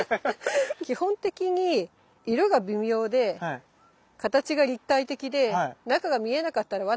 基本的に色が微妙で形が立体的で中が見えなかったらワナなんですよ。